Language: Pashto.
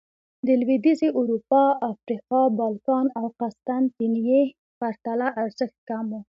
د لوېدیځې اروپا، افریقا، بالکان او قسطنطنیې پرتله ارزښت کم و